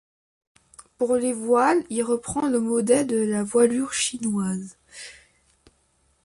Pour les voiles, il reprend le modèle de la voilure chinoise.